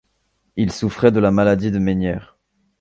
Il souffrait de la maladie de Menière.